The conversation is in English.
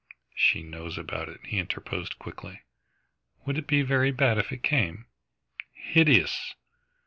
"She knows about it," he interposed quickly. "Would it be very bad if it came?" "Hideous!"